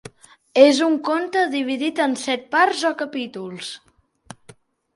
És un conte dividit en set parts o capítols.